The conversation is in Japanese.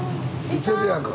いてるやんか。